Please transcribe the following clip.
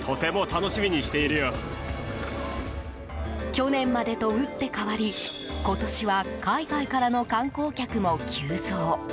去年までと打って変わり今年は海外からの観光客も急増。